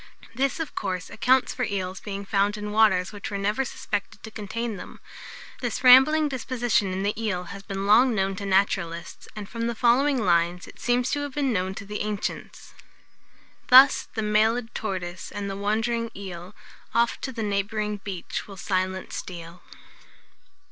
This, of course, accounts for eels being found in waters which were never suspected to contain them. This rambling disposition in the eel has been long known to naturalists, and, from the following lines, it seems to have been known to the ancients: "Thus the mail'd tortoise, and the wand'ring; eel, Oft to the neighbouring beach will silent steal."